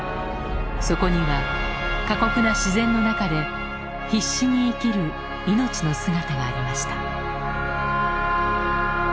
そこには過酷な自然の中で必死に生きる命の姿がありました。